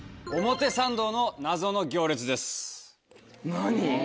何？